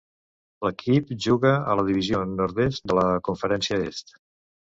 L'equip juga a la Divisió Nord-est de la Conferència Est.